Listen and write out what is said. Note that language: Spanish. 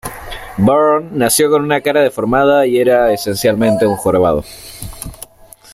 Bourne nació con una cara deformada y era, esencialmente, un jorobado.